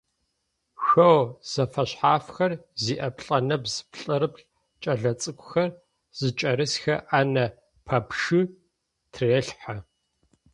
Шъо зэфэшъхьафхэр зиӏэ плӏэнэбз плӏырыплӏ кӏэлэцӏыкӏухэр зыкӏэрысхэ ӏанэ пэпчъы тырелъхьэ.